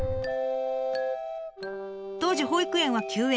当時保育園は休園。